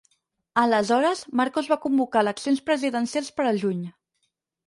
Aleshores, Marcos va convocar eleccions presidencials per al juny.